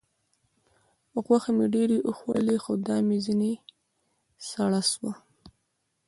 غوښې مې ډېرې وخوړلې؛ خوا مې ځينې سړه سوه.